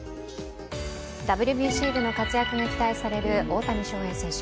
ＷＢＣでの活躍が期待される大谷翔平選手。